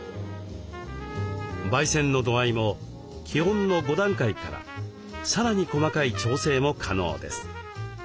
ばい煎の度合いも基本の５段階からさらに細かい調整も可能です。